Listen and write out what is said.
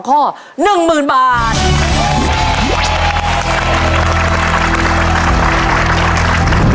คือ๖หมื่นบาท